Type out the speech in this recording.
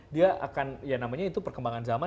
dia akan ya namanya itu perkembangan zaman